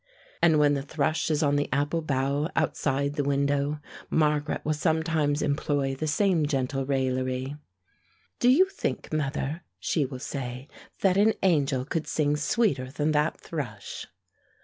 And when the thrush is on the apple bough outside the window, Margaret will sometimes employ the same gentle raillery. "Do you think, mother," she will say, "that an angel could sing sweeter than that thrush?"